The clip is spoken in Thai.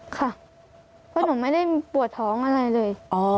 ค่ะเพราะหนูไม่ได้ปวดท้องอะไรเลย